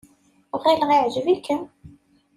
Ɣileɣ yeɛjeb-ikem.